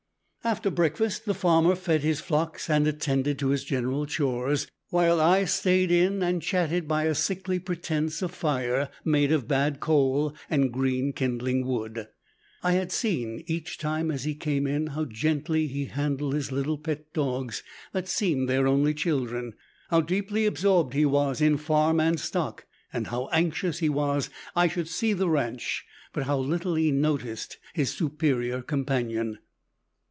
After breakfast the farmer fed his flocks and attended to his general chores, while I stayed in and chatted by a sickly pretence of fire made of bad coal and green kindling wood. I had seen, each time as he came in, how gently he handled his little pet dogs, that seemed their only children, how deeply absorbed he was in farm and stock, and how anxious he was I should see the ranch, but how little he noticed his superior companion.